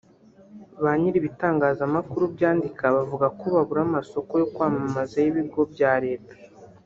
Ba ny’iri ibitangazamakuru byandika bavuga ko babura amasoko yo kwamamaza y’ibigo bya leta